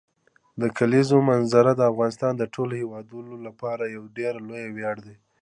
د کلیزو منظره د افغانستان د ټولو هیوادوالو لپاره یو ډېر لوی ویاړ دی.